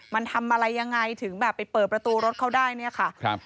มันทำอะไรยังไงถึงแบบไปเปิดประตูรถเขาได้เนี่ยค่ะครับ